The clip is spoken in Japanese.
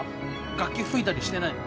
楽器吹いたりしてないの？